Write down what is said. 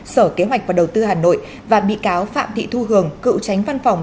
sở kế hoạch và đầu tư hà nội và bị cáo phạm thị thu hường cựu tránh văn phòng